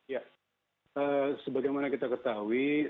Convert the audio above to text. ya sebagaimana kita ketahui